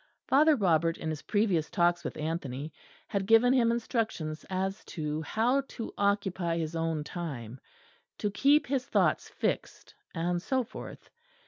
Father Robert in his previous talks with Anthony had given him instructions as to how to occupy his own time, to keep his thoughts fixed and so forth.